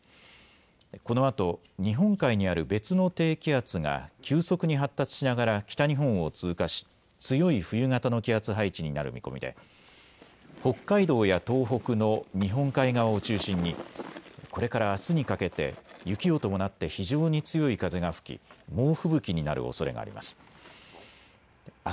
このあと日本海にある別の低気圧が急速に発達しながら北日本を通過し強い冬型の気圧配置になる見込みで、北海道や東北の日本海側を中心にこれからあすにかけて雪を伴って非常に強い風が吹き猛吹雪になるおそれがあります。